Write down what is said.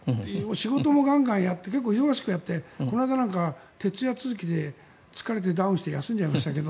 仕事もガンガン忙しくやってこの間なんか徹夜続きで疲れてダウンして休んでいましたけど。